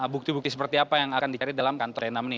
bukti bukti seperti apa yang akan dicari dalam kantor n enam ini